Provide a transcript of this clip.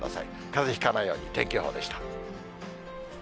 かぜひかないように、天気予報でした。